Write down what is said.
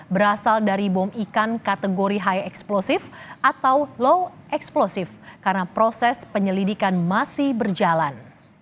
berasal dari bom ikan kategori high explosive atau low explosive karena proses penyelidikan masih berjalan